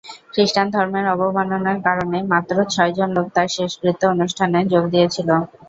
খ্রীষ্টান ধর্মের অবমাননার কারণে মাত্র ছয়জন লোক তার শেষকৃত্য অনুষ্ঠানে যোগ দিয়েছিল।